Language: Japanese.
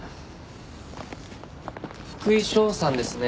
福井翔さんですね。